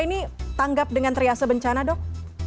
ini tanggap dengan triase bencana dok